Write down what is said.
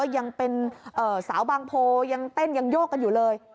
ยังเป็นสาวบางโพยังเต้นยังโยกกันอยู่เลย